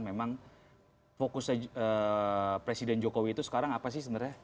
memang fokusnya presiden jokowi itu sekarang apa sih sebenarnya